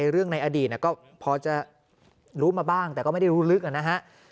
เรื่องในอดีตก็พอจะรู้มาบ้างแต่ก็ไม่ได้รู้ลึกนะฮะ